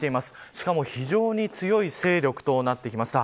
しかも非常に強い勢力となってきました。